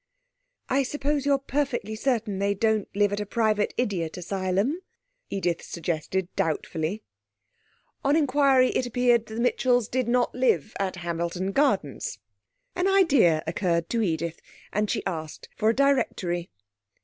'I suppose you're perfectly certain they don't live at a private idiot asylum?' Edith suggested doubtfully. On inquiry it appeared the Mitchells did not live at Hamilton Gardens. An idea occurred to Edith, and she asked for a directory.